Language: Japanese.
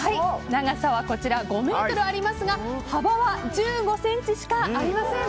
長さは５ｍありますが幅は１５ｃｍしかありません。